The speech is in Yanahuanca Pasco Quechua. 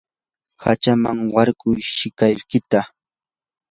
hachaman warkuy shikarkita.